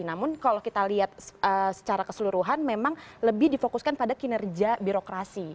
namun kalau kita lihat secara keseluruhan memang lebih difokuskan pada kinerja birokrasi